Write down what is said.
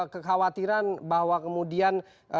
kekhawatiran bahwa kemudian